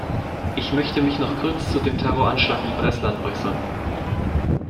Ich möchte mich noch kurz zu dem Terroranschlag in Beslan äußern.